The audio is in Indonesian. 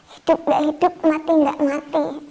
hidup tidak hidup mati tidak mati